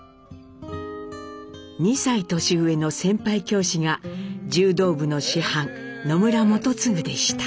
２歳年上の先輩教師が柔道部の師範野村基次でした。